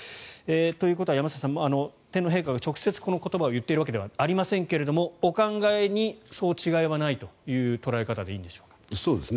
ということは山下さん天皇陛下が直接この言葉を言っているわけではありませんがお考えに、そう違いはないという捉え方でいいんでしょうか。